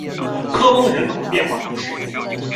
科翁人口变化图示